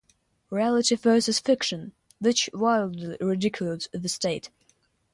Reality versus fiction, which widely ridiculed the state.